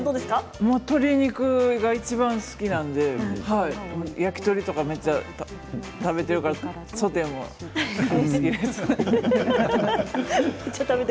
鶏肉がいちばん好きなので焼き鳥とかめっちゃ食べているからソテーも好きです。